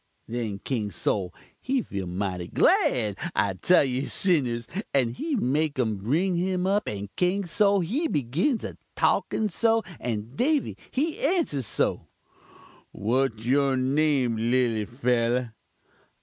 Then King Sol, he feel mighty glad, I tell you, sinnahs, and he make um bring um up, and King Sol he begins a talkin so, and Davy he answers so: "'What's your name, lilly fellah?'